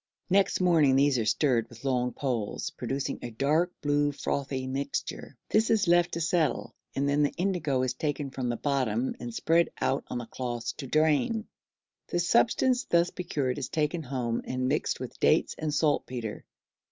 Next morning these are stirred with long poles, producing a dark blue frothy mixture; this is left to settle, and then the indigo is taken from the bottom and spread out on cloths to drain; the substance thus procured is taken home and mixed with dates and saltpetre.